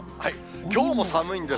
きょうも寒いんです。